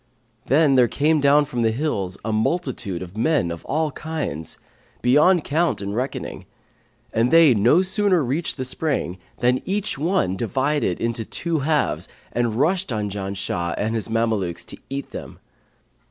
[FN#539] Then there came down from the hills a multitude of men of all kinds, beyond count and reckoning; and they no sooner reached the spring, than each one divided into two halves and rushed on Janshah and his Mamelukes to eat them.